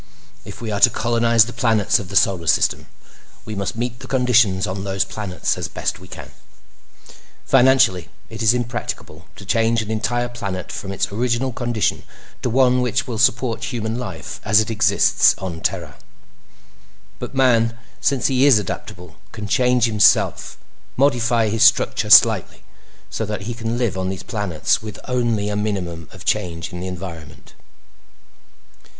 If we are to colonize the planets of the Solar System, we must meet the conditions on those planets as best we can. "Financially, it is impracticable to change an entire planet from its original condition to one which will support human life as it exists on Terra. "But man, since he is adaptable, can change himself—modify his structure slightly—so that he can live on these planets with only a minimum of change in the environment."